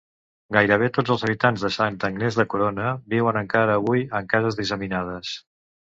Gairebé tots els habitants de Santa Agnès de Corona viuen encara avui en cases disseminades.